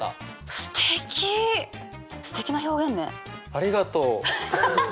ありがとう。